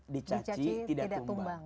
dicaci tidak tumbang